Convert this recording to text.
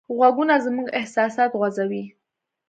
غږونه زموږ احساسات خوځوي.